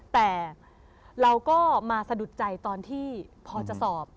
แต่เราก็มาสะดุดใจตอนที่พอจะสอบ